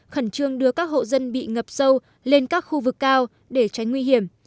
khẩn trương đưa các hộ dân bị ngập sâu lên các khu vực cao để tránh nguy hiểm